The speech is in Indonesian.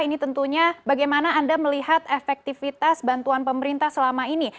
ini tentunya bagaimana anda melihat efektivitas bantuan pemerintah selama ini